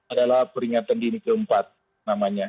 adalah peringatan dini keempat namanya